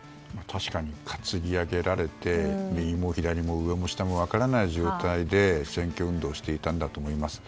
確かに担ぎ上げられて右も左も上も下も分からない状態で選挙運動していたんだと思います。